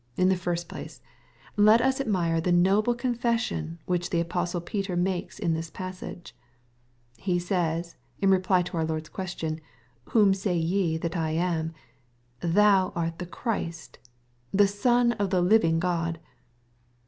In the first place, let us admire the noble confession which the apostle Peter makes in this passage. He says, in reply to our Lord's question, " Whom say ye that I \/ am ?''—« Thou art the Christ, the Son of the living God.'